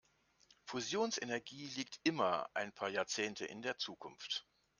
Fusionsenergie liegt immer ein paar Jahrzehnte in der Zukunft.